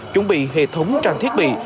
chuẩn bị hệ thống trang thiết bị